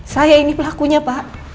saya ini pelakunya pak